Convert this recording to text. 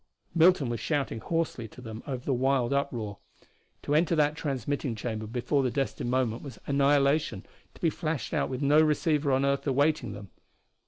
Milton was shouting hoarsely to them over the wild uproar. To enter that transmitting chamber before the destined moment was annihilation, to be flashed out with no receiver on earth awaiting them.